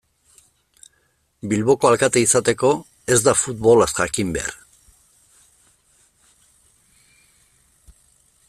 Bilboko alkate izateko ez da futbolaz jakin behar.